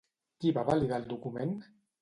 Qui va validar el document?